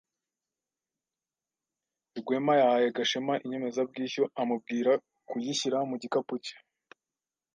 Rwema yahaye Gashema inyemezabwishyu amubwira kuyishyira mu gikapu cye.